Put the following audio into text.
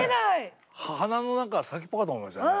花の何か先っぽかと思いましたね。